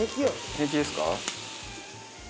平気ですか？